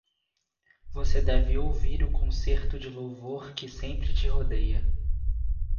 Você deve ouvir o concerto de louvor que sempre te rodeia!